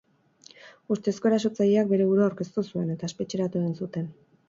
Ustezko erasotzaileak bere burua aurkeztu zuen, eta espetxeratu egin zuten.